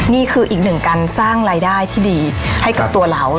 นี่คืออีกหนึ่งการสร้างรายได้ที่ดีให้กับตัวเรา